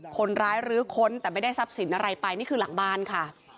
คนร้ายรื้อค้นแต่ไม่ได้ทรัพย์สินอะไรไปนี่คือหลังบ้านค่ะ